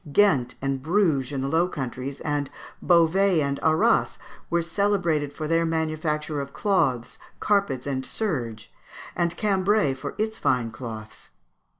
Ghent and Bruges in the Low Countries, and Beauvais and Arras, were celebrated for their manufacture of cloths, carpets, and serge, and Cambrai for its fine cloths.